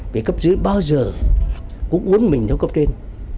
vì cấp dưới bao giờ cũng uốn mình theo cấp trên